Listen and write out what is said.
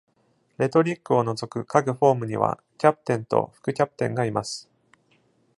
レトリックを除く各フォームには、キャプテンと副キャプテンがいます。